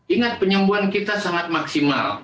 ingat penyembuhan kita sangat maksimal